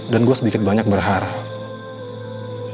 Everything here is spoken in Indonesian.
dan gue sedikit banyak berharap